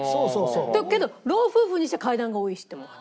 けど老夫婦にしちゃ階段が多いしって思うわけ。